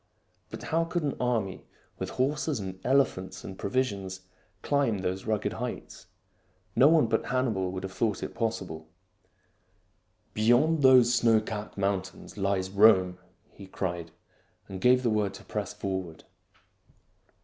But how could an army with horses and elephants and pro visions climb those rugged heights.? No one but Hannibal would have thought it possible. " Beyond these snow capped mountains lies Rome !" he cried, and gave the word to press forward.